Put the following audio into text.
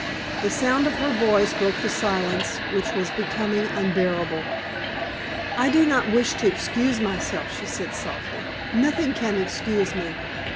The sound of her voice broke the silence, which was becoming unbearable. "I do not wish to excuse myself," she said, softly; "nothing can excuse me.